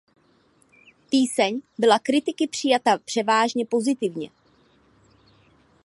Píseň byla kritiky přijata převážně pozitivně.